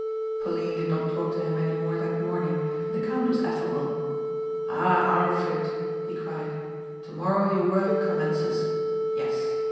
Pauline did not talk to him any more that morning but the count was affable. "Ah, Arlfrit," he cried, "tomorrow your work commences. Yes.